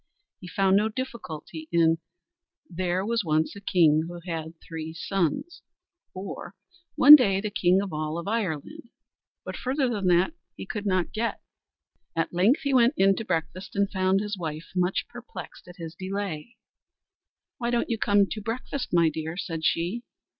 He found no difficulty in "there was once a king who had three sons," or "one day the king of all Ireland," but further than that he could not get. At length he went in to breakfast, and found his wife much perplexed at his delay. "Why don't you come to breakfast, my dear?" said she.